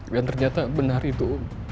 dan ternyata benar itu